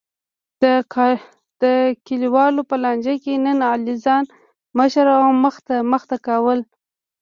د کلیوالو په لانجه کې نن علی ځان مشر او مخته مخته کولو.